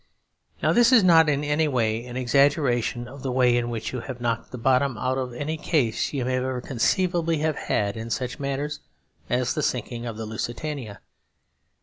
Now this is not in any way an exaggeration of the way in which you have knocked the bottom out of any case you may ever conceivably have had in such matters as the sinking of the Lusitania.